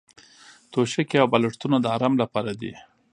توشکې او بالښتونه د ارام لپاره دي.